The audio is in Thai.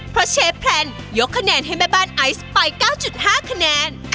เพราะเชฟแพลนยกคะแนนให้แม่บ้านไอซ์ไป๙๕คะแนน